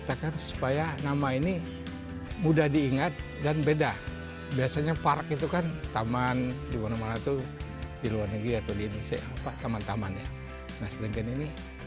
taman batu granit alami